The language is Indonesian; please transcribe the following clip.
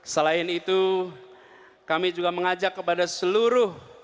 selain itu kami juga mengajak kepada seluruh